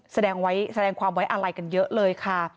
แสดงความไว้อาลัยกันเยอะเลยค่ะ